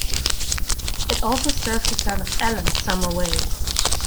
It also serves the town of Elland some away.